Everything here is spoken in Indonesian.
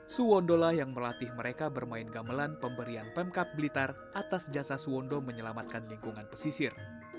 suwondo lah yang melatih mereka bermain gamelan pemberian pemkap blitar atas jasa suwondo menyelamatkan lingkungan pesisir